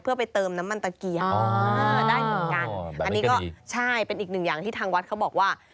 เพื่อไปเติมน้ำมันตะเกียงได้เหมือนกันอันนี้ก็ใช่เป็นอีกหนึ่งอย่างที่ทางวัดเขาบอกว่า